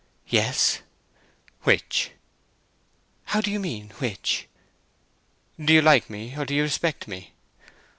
"Yes." "Which?" "How do you mean which?" "Do you like me, or do you respect me?"